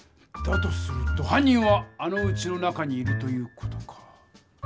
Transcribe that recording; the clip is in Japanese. だとするとはん人はあのうちの中にいるという事か。